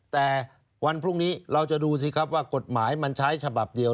แต่วันพรุ่งนี้เราจะดูสิครับว่ากฎหมายมันใช้ฉบับเดียว